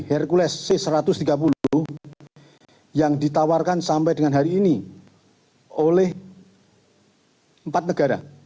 hercules c satu ratus tiga puluh yang ditawarkan sampai dengan hari ini oleh empat negara